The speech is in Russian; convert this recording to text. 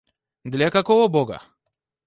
Для какого Бога?